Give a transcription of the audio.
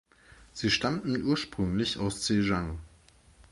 Sie stammten ursprünglich aus Zhejiang.